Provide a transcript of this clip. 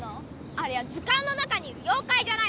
あれは図かんの中にいるようかいじゃないの！